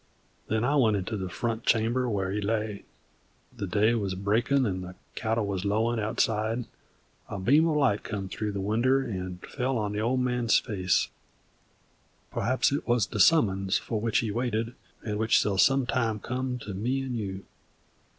Then I went into the front chamber where he lay. The day wuz breakin'; the cattle wuz lowin' outside; a beam of light come through the winder and fell on the Old Man's face, perhaps it wuz the summons for which he waited and which shall some time come to me 'nd you.